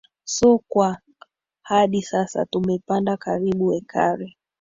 so kwa hadi sasa tumepanda karibu ekari